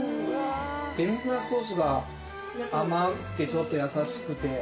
デミグラスソースが甘くてちょっとやさしくて。